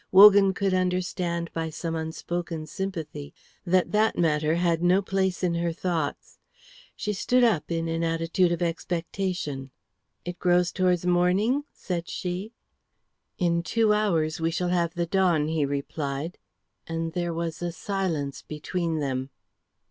Wogan could understand by some unspoken sympathy that that matter had no place in her thoughts. She stood up in an attitude of expectation. "It grows towards morning?" said she. "In two hours we shall have the dawn," he replied; and there was a silence between them.